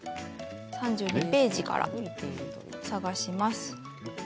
３２ページから探します。